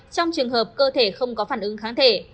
trong trường hợp cơ thể không có phản ứng kháng thể